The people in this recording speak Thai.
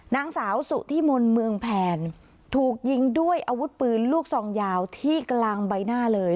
นางสาวสุธิมนต์เมืองแผนถูกยิงด้วยอาวุธปืนลูกซองยาวที่กลางใบหน้าเลย